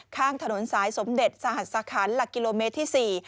ข้างถนนสายสมเด็จสหัสสะขันหลักกิโลเมตรที่๔